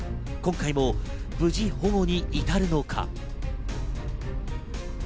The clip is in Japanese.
今回も無事保護に至るのか。